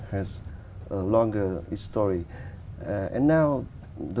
hợp lý truyền hình